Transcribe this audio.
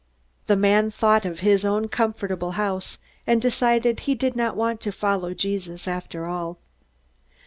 The man thought of his own comfortable house, and decided he did not want to follow Jesus after all.